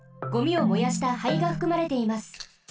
ゴミを燃やした灰がふくまれています。